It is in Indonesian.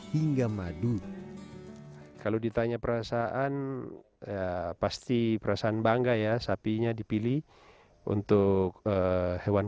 hingga madu kalau ditanya perasaan pasti perasaan bangga ya sapinya dipilih untuk hewan